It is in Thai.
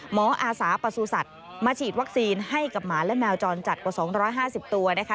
อาสาประสูจัตว์มาฉีดวัคซีนให้กับหมาและแมวจรจัดกว่า๒๕๐ตัวนะคะ